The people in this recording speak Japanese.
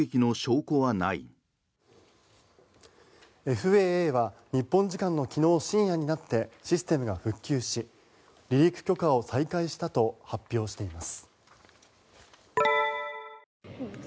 ＦＡＡは日本時間の昨日深夜になってシステムが復旧し離陸許可を再開したと発表しています。